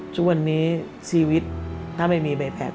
ทุกวันนี้ชีวิตถ้าไม่มีใบแพค